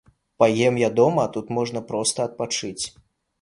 Паем я дома, а тут можна проста адпачыць.